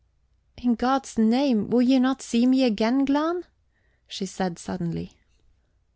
"In God's name, will you not see me again, Glahn?" she said suddenly.